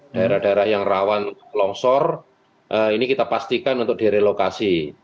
daerah daerah yang rawan longsor ini kita pastikan untuk direlokasi